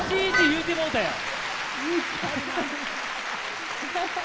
言うてもうたやん！